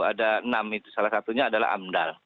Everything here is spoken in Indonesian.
ada enam itu salah satunya adalah amdal